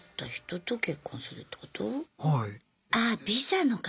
はい。